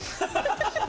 ハハハハ。